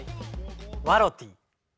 「ワロティ」。